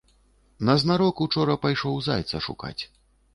Назнарок учора пайшоў зайца шукаць.